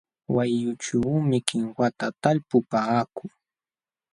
Wayqućhuumi kinwata talpupaakuu.